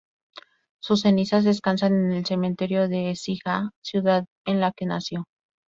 Sus cenizas descansan en el cementerio de Écija, ciudad en la que nació.